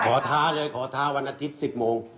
ท้าเลยขอท้าวันอาทิตย์๑๐โมง